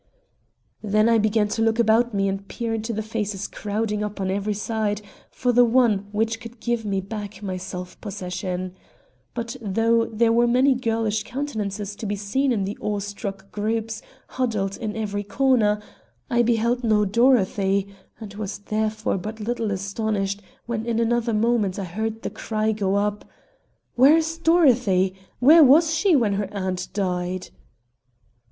Then I began to look about me and peer into the faces crowding up on every side, for the only one which could give me back my self possession. But though there were many girlish countenances to be seen in the awestruck groups huddled in every corner, I beheld no Dorothy, and was therefore but little astonished when in another moment I heard the cry go up: "Where is Dorothy? Where was she when her aunt died?"